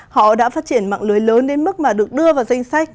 họ đã phát triển mạng lưới lớn đến mức mà được đưa vào danh sách